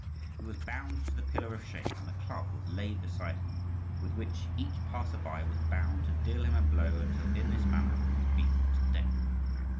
He was bound to the pillar of shame, and a club was laid beside him, with which each passer by was bound to deal him a blow until in this manner he was beaten to death.